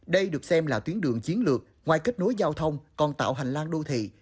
đây được xem là tuyến đường chiến lược ngoài kết nối giao thông còn tạo hành lang đô thị